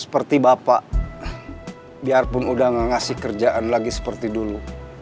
seperti bapak biarpun udah gak ngasih kerjaan lagi seperti dulu